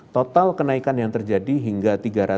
total kenaikan yang terjadi hingga